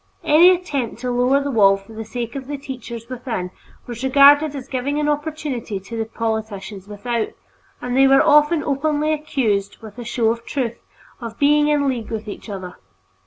Any attempt to lower the wall for the sake of the teachers within was regarded as giving an opportunity to the politicians without, and they were often openly accused, with a show of truth, of being in league with each other.